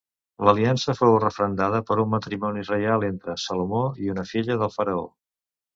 L'aliança fou referendada per un matrimoni reial entre Salomó i una filla del faraó.